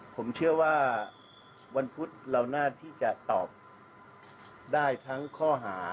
ผมเชื่อว่าวันพุธเราน่าที่จะตอบได้ทั้งข้อหา